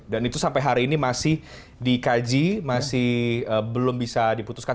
dan itu sampai hari ini masih dikaji masih belum bisa diputuskan